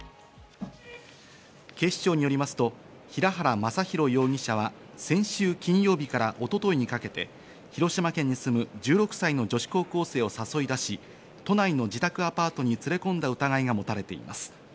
警視庁によりますと平原匡浩容疑者は、先週金曜日から一昨日にかけて広島県に住む１６歳の女子高校生を誘い出し、都内の自宅アパートに連れ込んだ疑いが持たれています。